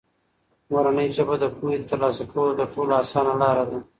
مورنۍ ژبه د پوهې د ترلاسه کولو تر ټولو اسانه لاره ده.